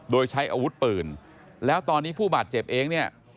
โดยใช้อาวุธปืนแล้วตอนนี้ผู้บาดเจ็บเองเนี่ย